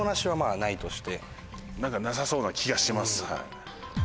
何かなさそうな気がします。